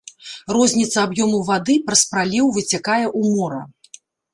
Розніца аб'ёму вады праз праліў выцякае ў мора.